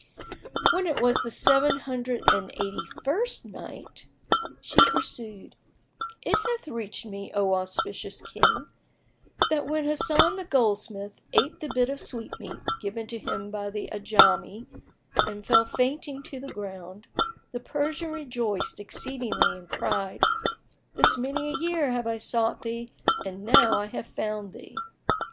When it was the Seven Hundred and Eighty first Night, She pursued, It hath reached me, O auspicious King, that when Hasan the goldsmith ate the bit of sweetmeat given to him by the Ajami and fell fainting to the ground, the Persian rejoiced exceedingly and cried, "This many a year have I sought thee and now I have found thee!"